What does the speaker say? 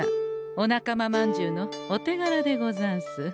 お仲間まんじゅうのお手がらでござんす。